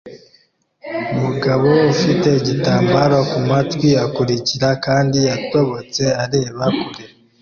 Umugabo ufite igitambaro kumatwi akurikira kandi yatobotse areba kure